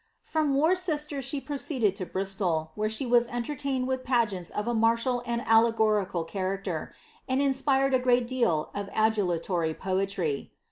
"* From Worcester she proceeded to Brislol, where she was enlertains with pageants of a martial and allegorical character, and inspired a gKi deal of adulatory poetry.